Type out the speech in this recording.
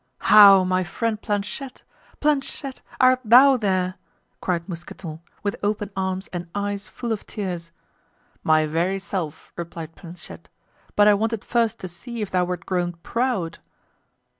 "How, my friend Planchet? Planchet—art thou there?" cried Mousqueton, with open arms and eyes full of tears. "My very self," replied Planchet; "but I wanted first to see if thou wert grown proud."